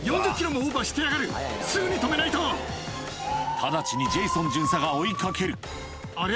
直ちにジェイソン巡査が追いかけるはい！